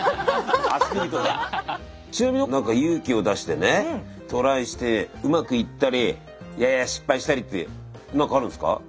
ちなみに何か勇気を出してねトライしてうまくいったりいやいや失敗したりって何かあるんすか？